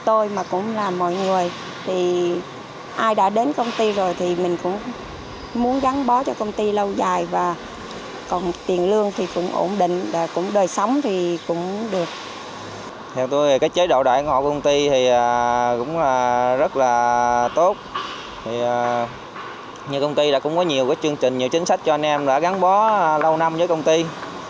thì như công ty cũng có nhiều chương trình nhiều chính sách cho anh em gắn bó lâu năm với công ty